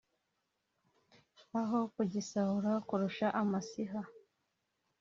aho kugisahura kurusha amasiha)